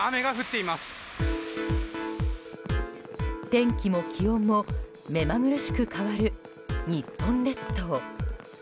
天気も気温も目まぐるしく変わる日本列島。